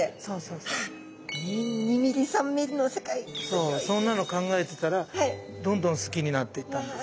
そうそんなの考えてたらどんどん好きになっていったんです。